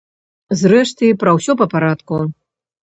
Зрэшты, пра ўсё па парадку.